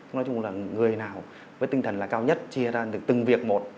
nói chung là người nào với tinh thần là cao nhất chia ra được từng việc một